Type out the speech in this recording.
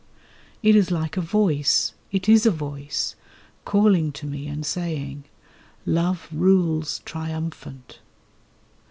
It is like a Voice—it is a Voice—calling to me and saying: 'Love rules triumphant.